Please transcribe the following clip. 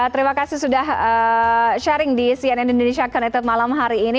terima kasih sudah sharing di cnn indonesia connected malam hari ini